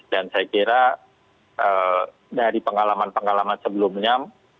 dan saya kira dari pengalaman pengalaman sebelumnya